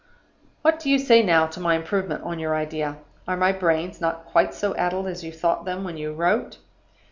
"What do you say now to my improvement on your idea? Are my brains not quite so addled as you thought them when you wrote?